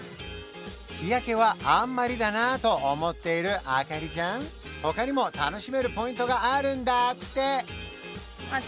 日焼けはあんまりだなと思っているあかりちゃん他にも楽しめるポイントがあるんだってだってさあかり